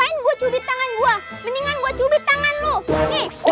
ngapain gua cubit tangan gua